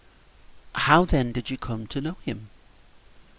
"How, then, did you come to know him?"